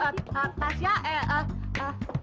eh tasya eh eh eh